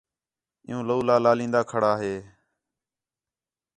عِیّوں لولا لالین٘دا کھڑا ہے